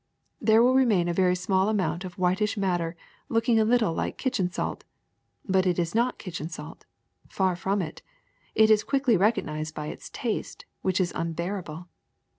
There will remain a very small amount of whitish matter looking a little like kitchen salt. But it is not kitchen salt, far from it ; it is quickly recognized by its taste, which is unbearable.